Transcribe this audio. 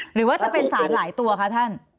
หรือว่าจะเป็นสารหลายตัวคะท่าน